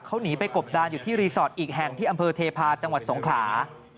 เขาหนีไปกบดานอยู่ที่รีสอร์ทอีกแห่งที่อำเภอเทพาะจังหวัดสงขลา